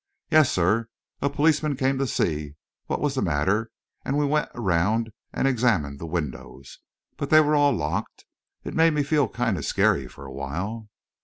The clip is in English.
"Yes, sir; a policeman came to see what was the matter and we went around and examined the windows, but they were all locked. It made me feel kind of scary for a while."